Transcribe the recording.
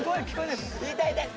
痛い痛い！